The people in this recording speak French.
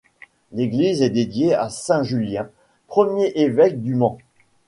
L'église est dédiée à saint Julien, premier évêque du Mans.